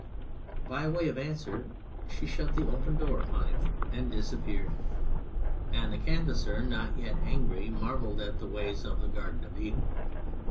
'' By way of answer she shut the door upon him and 105 On Anything disappeared, and the Canvasser, not yet angry, marvelled at the ways of the Garden of Eden.